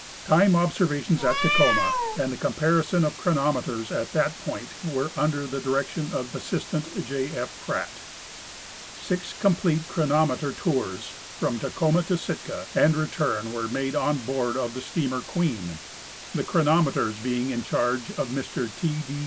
Time observations at Tacoma and the comparison of chronometers at that point were under the direc tion of assistant J. F. Pratt. Six complete chronometer tours from Tacoma to Sitka and return were made on board of the Steamer Queen, the chronometers being in charge of Mr. T. D.